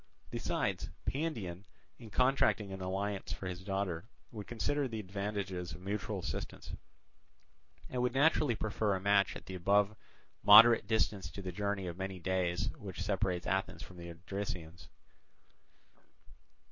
Besides, Pandion in contracting an alliance for his daughter would consider the advantages of mutual assistance, and would naturally prefer a match at the above moderate distance to the journey of many days which separates Athens from the Odrysians.